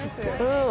うん。